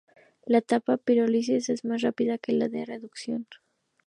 La etapa de pirólisis es más rápida que la de reducción.